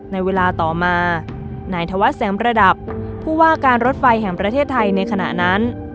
ในเวลาต่อมานายธวัฒนแสงระดับผู้ว่าการรถไฟแห่งประเทศไทยในขณะนั้น